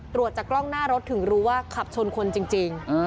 จากกล้องหน้ารถถึงรู้ว่าขับชนคนจริง